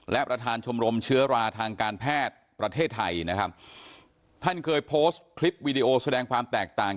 และประธานชมรมเชื้อราทางการแพทย์ประเทศไทยนะครับท่านเคยโพสต์คลิปวิดีโอแสดงความแตกต่าง